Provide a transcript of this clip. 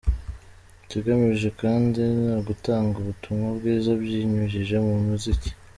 Ikigamijwe kandi ni ugutanga ubutumwa bwiza mbinyujije mu muziki.